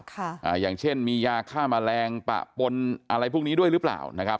อ่าอย่างเช่นมียาฆ่าแมลงปะปนอะไรพวกนี้ด้วยหรือเปล่านะครับ